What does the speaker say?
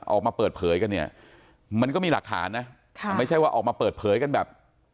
ออกมาเปิดเผยกันเนี่ยมันก็มีหลักฐานนะค่ะไม่ใช่ว่าออกมาเปิดเผยกันแบบ